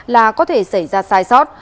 là có thể xảy ra sai sót